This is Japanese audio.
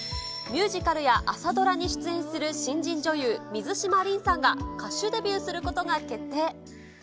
ミュージカルや朝ドラに出演する新人女優、水嶋凜さんが歌手デビューすることが決定。